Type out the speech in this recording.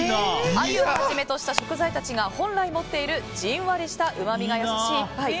アユをはじめとした食材たちが本来持っているじんわりとしたうまみが優しい一杯。